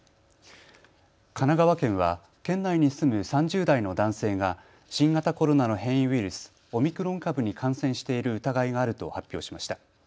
神奈川県は県内に住む３０代の男性が新型コロナの変異ウイルス、オミクロン株に感染している疑いがあると発表しました。